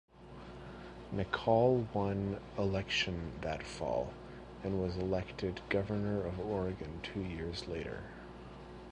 McCall won election that fall, and was elected Governor of Oregon two years later.